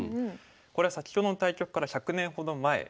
これは先ほどの対局から１００年ほど前ですね。